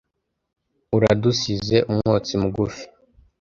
uradusize umwotsi mugufi